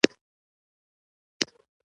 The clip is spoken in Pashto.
موږ د جمعې په ورځ لاریون ترسره کړ